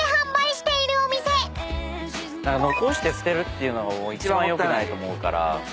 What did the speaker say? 残して捨てるっていうのが一番良くないと思うから。